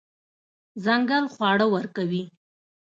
ځنګل خواړه ورکوي.